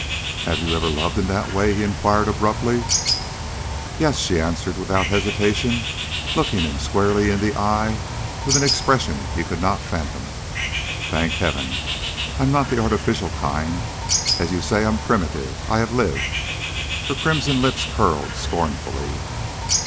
"Have you ever loved in that way?" he inquired, abruptly. "Yes," she answered, without hesitation, looking him squarely in the eye with an expression he could not fathom. "Thank Heaven, I'm not the artificial kind! As you say, I'm primitive. I have lived!" Her crimson lips curled scornfully.